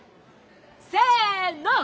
せの！